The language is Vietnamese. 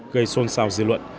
gây xôn xào dư luận